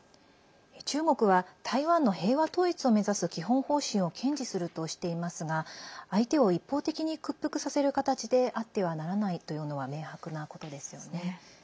中国は台湾の平和統一を目指す基本方針を堅持するとしていますが相手を一方的に屈服させる形であってはならないというのは明白なことですよね。